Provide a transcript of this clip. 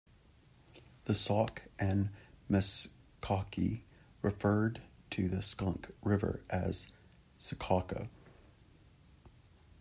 The Sauk and Meskwaki referred to the Skunk River as "Shecaqua".